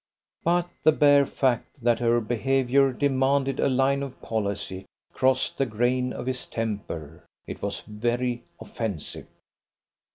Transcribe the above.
But the bare fact that her behaviour demanded a line of policy crossed the grain of his temper: it was very offensive.